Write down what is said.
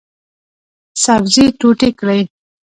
سبزي ټوټې کړئ